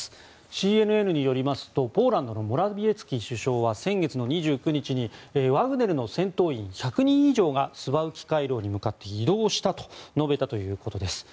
ＣＮＮによりますとポーランドのモラビエツキ首相は先月２９日にワグネルの戦闘員１００人以上がスバウキ回廊に向かって移動したと述べたということです。